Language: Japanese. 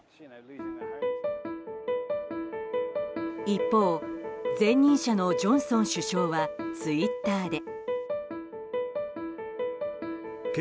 一方、前任者のジョンソン首相はツイッターで。